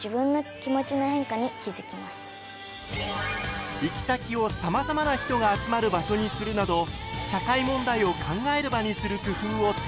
いやいや行き先をさまざまな人が集まる場所にするなど社会問題を考える場にする工夫を提案。